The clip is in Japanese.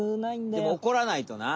でもおこらないとな。